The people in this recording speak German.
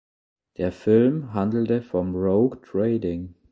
Der Film handelt vom Rogue Trading.